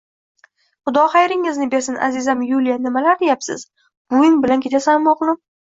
Xudo xayringizni bersin, azizam Yuliya, nimalar deyapsiz!.. Buving bilan ketasanmi, oʻgʻlim?